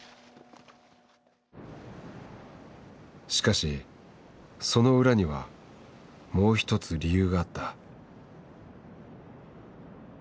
しかしその裏にはもう一つ理由があった。